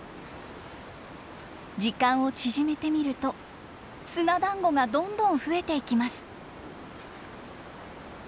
時間を縮めてみると砂だんごがどんどん増えていきます。